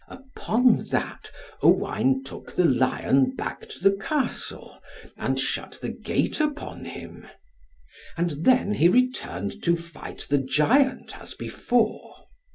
Upon that Owain took the lion back to the Castle, and shut the gate upon him. And then he returned to fight the giant, as before.